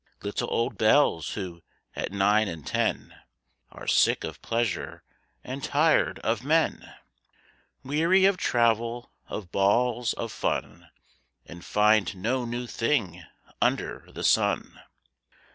Little old belles who, at nine and ten, Are sick of pleasure and tired of men; Weary of travel, of balls, of fun, And find no new thing under the sun.